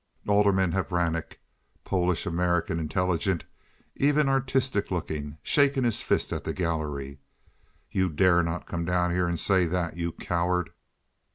Alderman Hvranek (Polish American, intelligent, even artistic looking, shaking his fist at the gallery). "You dare not come down here and say that, you coward!"